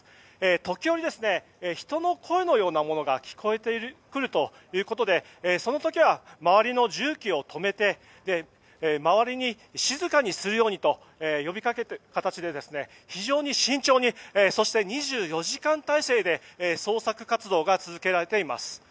時折、人の声のようなものが聞こえてくるということでその時は周りの重機を止めて周りに静かにするようにと呼びかける形で非常に慎重にそして２４時間態勢で捜索活動が続けられています。